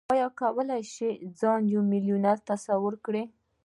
ايا کولای شئ ځان يو ميليونر تصور کړئ؟